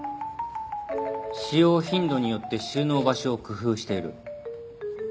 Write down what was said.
使用頻度によって収納場所を工夫している。